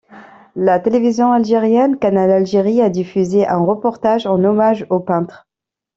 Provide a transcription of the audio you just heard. La télévision algérienne Canal Algérie a diffusé un reportage en hommage au peintre.